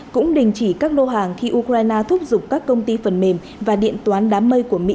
cũng đình chỉ các lô hàng khi ukraine thúc giục các công ty phần mềm và điện toán đám mây của mỹ